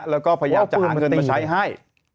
แล้วก็พยายามจะหาเงินไปใช้ให้